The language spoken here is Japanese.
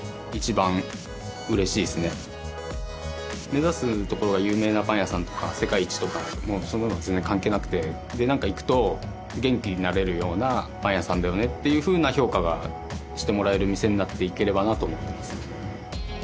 目指すところが有名なパン屋さんとか世界一とかもうそんなのは全然関係なくてなんか行くと元気になれるようなパン屋さんだよねっていうふうな評価がしてもらえる店になっていければなと思ってます